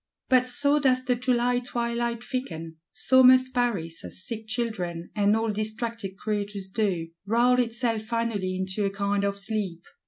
But so does the July twilight thicken; so must Paris, as sick children, and all distracted creatures do, brawl itself finally into a kind of sleep.